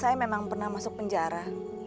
saya memang pernah masuk penjara